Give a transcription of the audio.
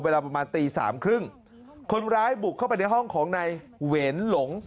เวลาประมาณตีสามครึ่งคนร้ายบุกเข้าไปในห้องของนายเหรนหลง